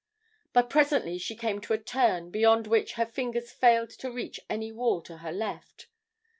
But presently she came to a turn, beyond which her fingers failed to reach any wall on her left.